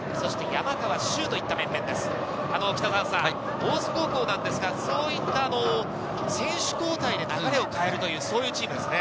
大津高校なんですが、選手交代に流れを変えるというチームですね。